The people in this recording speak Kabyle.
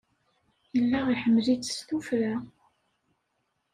Yella iḥemmel-itt s tuffra.